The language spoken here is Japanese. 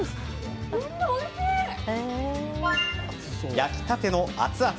焼きたての熱々。